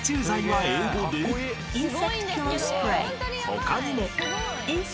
［他にも］